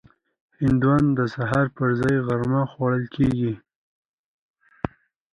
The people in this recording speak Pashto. هندوانه د سهار پر ځای غرمه خوړل کېږي.